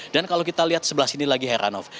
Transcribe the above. dan kalau kita lihat sebelah sini lagi heranov